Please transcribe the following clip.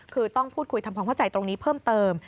คือต้องพูดคุยทำความเข้าใจตรงนี้เพิ่มเติม